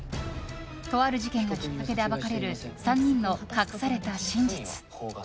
とある事件がきっかけで暴かれる３人の隠された真実。